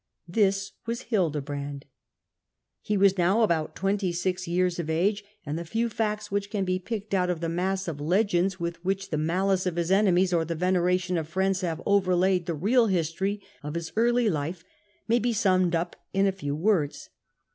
This was Hildebrand. He was now about twenty six years of age, and the few facts which can be picked out of the mass of legends with which the malice of enemies, or the veneration of friends, have overlaid the real history of his early life, may be summed up in a few words.